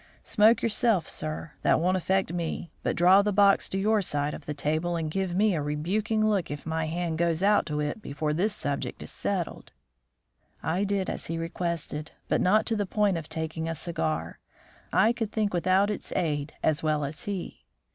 Smoke yourself, sir; that won't affect me; but draw the box to your side of the table and give me a rebuking look if my hand goes out to it before this subject is settled." I did as he requested, but not to the point of taking a cigar. I could think without its aid as well as he.